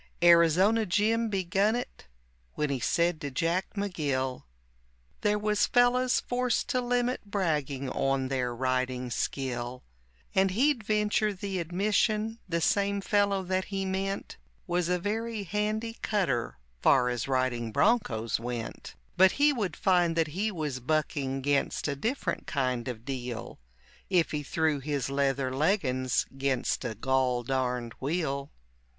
Arizona Jim begun it when he said to Jack McGill There was fellows forced to limit bragging on their riding skill, And he'd venture the admission the same fellow that he meant Was a very handy cutter far as riding bronchos went; But he would find that he was bucking 'gainst a different kind of deal If he threw his leather leggins 'gainst a gol darned wheel.